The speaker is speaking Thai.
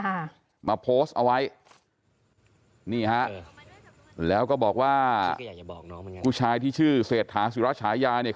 ค่ะมาโพสต์เอาไว้นี่ฮะแล้วก็บอกว่าผู้ชายที่ชื่อเศรษฐาศิราชายาเนี่ย